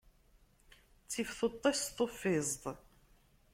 Ttif tuṭṭist tuffiẓt.